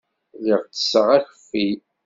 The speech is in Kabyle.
Lliɣ tesseɣ akeffi.